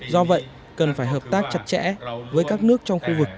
do vậy cần phải hợp tác chặt chẽ với các nước trong khu vực